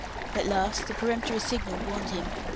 At last a peremptory signal warned him.